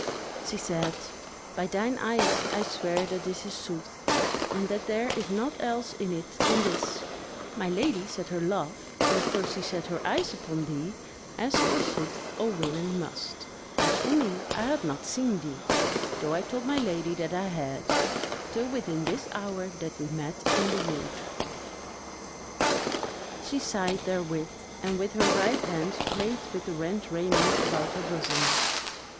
She said: "By thine eyes I swear that this is sooth, and that there is naught else in it than this: My lady set her love, when first she set her eyes upon thee as forsooth all women must: as for me, I had not seen thee (though I told my lady that I had) till within this hour that we met in the wood." She sighed therewith, and with her right hand played with the rent raiment about her bosom.